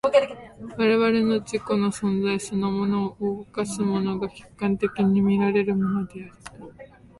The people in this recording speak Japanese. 我々の自己の存在そのものを動かすものが、直観的に見られるものである。